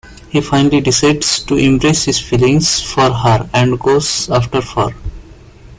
He finally decides to embrace his feelings for her and goes after her.